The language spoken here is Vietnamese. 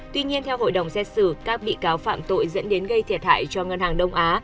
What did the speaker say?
tuy nhiên theo hội đồng xét xử các bị cáo phạm tội dẫn đến gây thiệt hại cho ngân hàng đông á